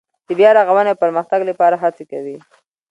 د بیا رغاونې او پرمختګ لپاره هڅې کوي.